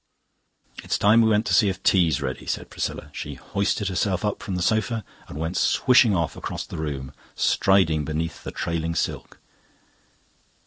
"It's time we went to see if tea's ready," said Priscilla. She hoisted herself up from the sofa and went swishing off across the room, striding beneath the trailing silk.